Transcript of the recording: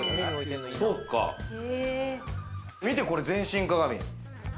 見て、これ全身鏡。